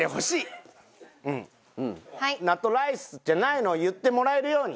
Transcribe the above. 納豆ライスじゃないのを言ってもらえるように。